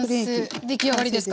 出来上がりですか？